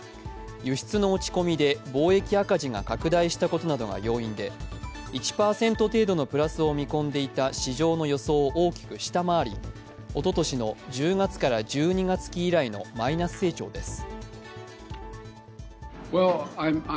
輸出の落ち込みで貿易赤字が拡大したことなどが要因で１％程度のプラスを見込んでいた市場の予想を大きく下回り、おととしの１０月から１２月期以来のマイナス成長です。